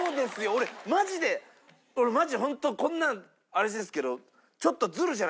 俺マジで俺マジで本当こんなのあれですけど。